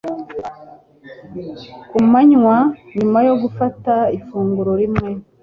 ku manywa. Nyuma yo gufata ifunguro rimwe,